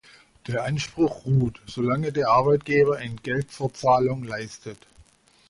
Der Anspruch ruht, solange der Arbeitgeber Entgeltfortzahlung leistet.